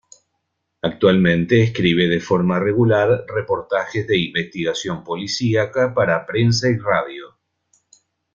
Actualmente escribe de forma regular reportajes de investigación policíaca para prensa y radio.